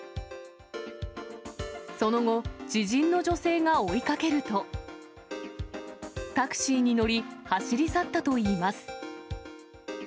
その後、知人の女性が追いかけると、タクシーに乗り、走り去ったといいます。